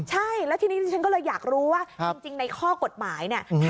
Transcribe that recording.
ใช่แล้วทีนี้ฉันก็เลยอยากรู้ว่าจริงในข้อกฎหมายเนี่ย